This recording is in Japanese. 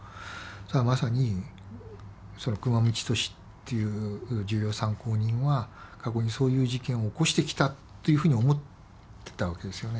まさに久間三千年っていう重要参考人は過去にそういう事件を起こしてきたっていうふうに思ってたわけですよね。